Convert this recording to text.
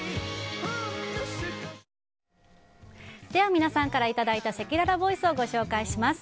皆さんからいただいたせきららボイスをご紹介します。